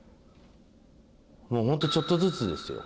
もう本当にちょっとずつですよ